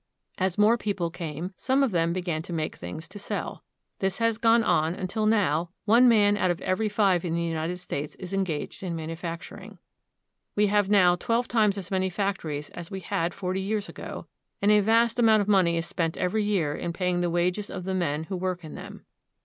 As more people came, some c[ them began to make things to sell. This has gone on until now one man out of every five in the United States is engaged in manufacturing. We have now twelve times as many factories as we had forty years ago, and a vast amount of money is spent every year in paying the wages of the men who work in them.